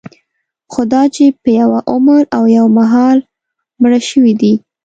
خوداچې په یوه عمر او یوه مهال مړه شوي دي.